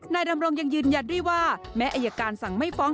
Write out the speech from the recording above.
นายดำรงยังยืนยัดด้วยว่า